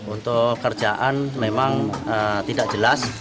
untuk kerjaan memang tidak jelas